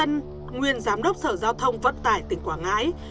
nguyên giám đốc sở giao thông vận tải tỉnh quảng ngãi